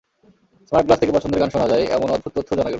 Smart glass থেকে পছন্দের গান শোনা যায়—এমন অদ্ভুত তথ্যও জানা গেল।